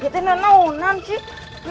kita tidak mau